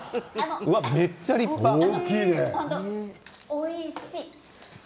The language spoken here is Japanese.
おいしい。